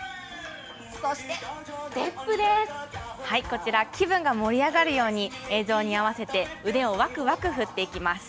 こちらは気分が盛り上がるように映像に合わせて腕をワクワク振っていきます。